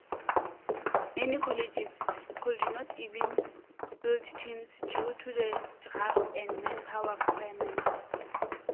Many colleges could not even field teams due to the draft and manpower requirements.